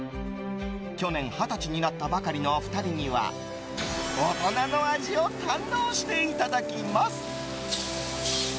去年、二十歳になったばかりのお二人には大人の味を堪能していただきます。